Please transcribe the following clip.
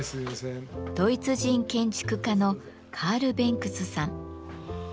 ドイツ人建築家のカール・ベンクスさん。